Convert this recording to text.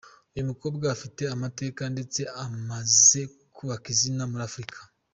Uyu mukobwa afite amateka ndetse amaze kubaka izina muri Afurika.